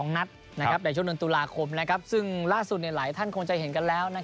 ในช่วงเดือนตุลาคมซึ่งล่าสุดหลายท่านคงจะเห็นกันแล้ว